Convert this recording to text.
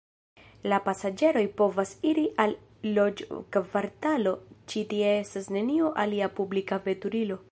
La pasaĝeroj povas iri al loĝkvartalo, ĉi tie estas neniu alia publika veturilo.